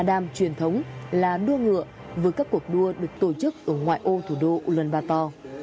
nga đam truyền thống là đua ngựa với các cuộc đua được tổ chức ở ngoại ô thủ đô uluanba to